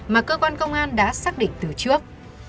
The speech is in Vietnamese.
mà cơ quan công an đã xác định từ trước